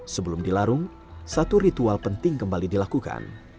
sebelum dilarung satu ritual penting kembali dilakukan